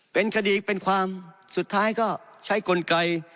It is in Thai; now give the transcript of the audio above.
เป็นคดีเป็นความสุดท้ายก็ใช้กลไก